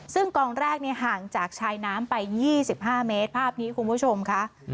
ซึ่งกองแรกห่างจากชายน้ำไป๒๕เมตรภาพนี้คุณผู้ชมค่ะ